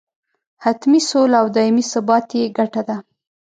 حتمي سوله او دایمي ثبات یې ګټه ده.